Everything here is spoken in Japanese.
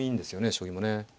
将棋もね。